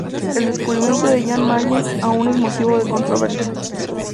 El descubrimiento de Jan Mayen aún es motivo de controversia.